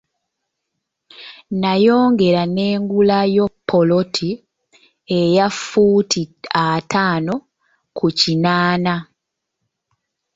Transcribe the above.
Nayongera nengulayo ppoloti eya ffuuti ataano ku kinaana.